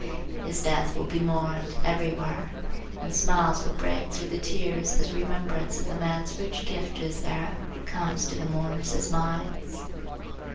His death will be mourned, everywhere, and smiles will break through the tears as remembrance of the man's rich gift to his era comes to the mourners' minds.